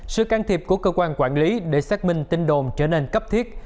sự can thiệp của cơ quan quản lý để xác minh tin đồn trở nên cấp thiết